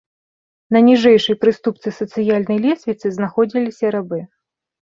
На ніжэйшай прыступцы сацыяльнай лесвіцы знаходзіліся рабы.